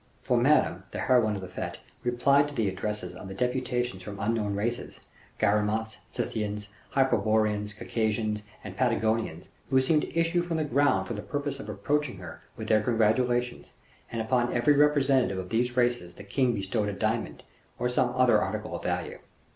For Madame, the heroine of the fete, replied to the addresses of the deputations from unknown races Garamanths, Scythians, Hyperboreans, Caucasians, and Patagonians, who seemed to issue from the ground for the purpose of approaching her with their congratulations; and upon every representative of these races the king bestowed a diamond, or some other article of value.